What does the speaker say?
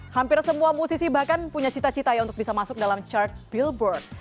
hampir semua musisi bahkan punya cita cita ya untuk bisa masuk dalam chart billboard